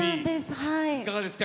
いかがですか？